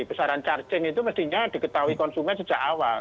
besaran charging itu mestinya diketahui konsumen sejak awal